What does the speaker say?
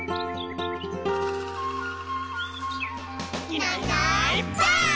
「いないいないばあっ！」